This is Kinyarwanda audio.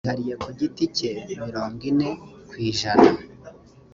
yihariye ku giti cye mirongo ine ku ijana